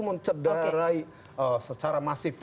mencederai secara masif